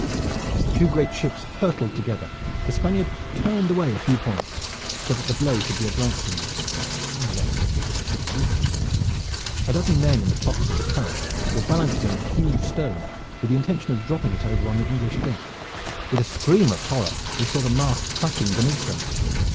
As the two great ships hurtled together the Spaniard turned away a few points so that the blow should be a glancing one. None the less it was terrific. A dozen men in the tops of the carack were balancing a huge stone with the intention of dropping it over on the English deck. With a scream of horror they saw the mast cracking beneath them.